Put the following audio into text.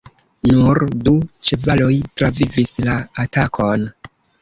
Nur du ĉevaloj travivis la atakon.